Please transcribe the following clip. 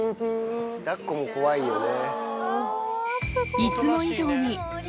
抱っこも怖いよね。